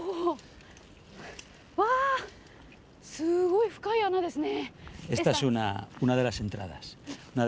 わあすごい深い穴ですね。